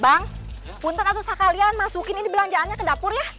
bang punter atuh sekalian masukin ini belanjaannya ke dapur ya